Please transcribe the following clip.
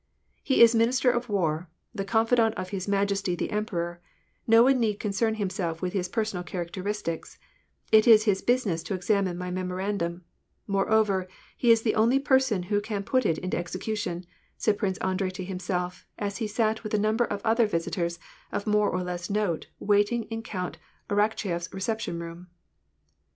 " He is minister of war, the confidant of his majesty the emperor; no one need concern himself with his personal characteristics; it is his business to examine my memoi an dum; moreover, he is the only person who can put it into execution," said Prince Andrei to himself, as he sat with a number of other visitors of more or less note waiting in Count Arakcheyefs reception room.